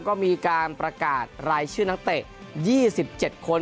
ก็มีการประกาศรายชื่อน้ำเต้ยี่สิบเจ็ดคน